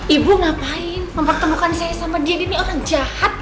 ibu ngapain mempertemukan saya sama dia ini orang jahat